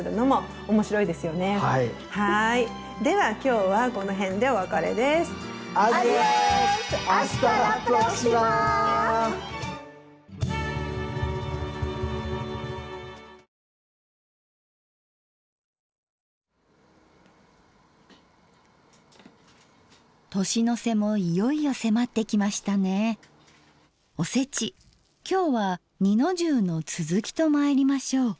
おせち今日は二の重の続きとまいりましょう。